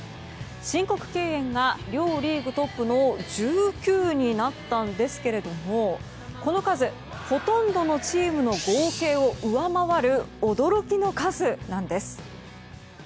申告敬遠が両リーグトップの１９になったんですけどもこの数、ほとんどのチームの合計を上回る驚きの数なんです。